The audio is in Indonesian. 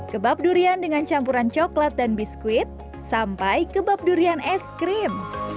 kebab durian dengan campuran coklat dan biskuit sampai kebab durian es krim